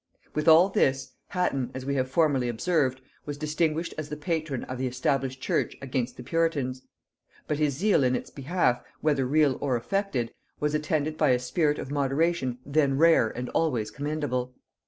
With all this, Hatton, as we have formerly observed, was distinguished as the patron of the established church against the puritans: but his zeal in its behalf, whether real or affected, was attended by a spirit of moderation then rare and always commendable.